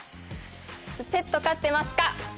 ペット飼ってますか？